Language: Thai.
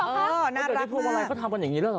เออหละคะจนที่พวงเวลาเขาทำกันแบบนี้แล้วหรอ